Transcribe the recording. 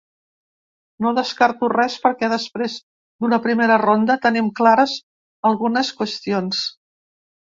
No descarto res perquè després d’una primera ronda tenim clares algunes qüestions.